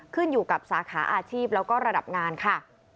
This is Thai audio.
ขึ้นอยู่กับสาขาอาชีพแล้วก็ระดับงานค่ะ